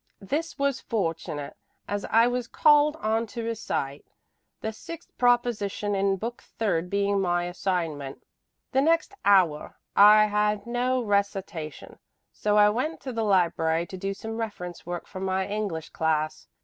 This was fortunate, as I was called on to recite, the sixth proposition in book third being my assignment. The next hour I had no recitation, so I went to the library to do some reference work for my English class.